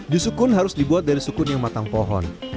jus sukun harus dibuat dari sukun yang matang pohon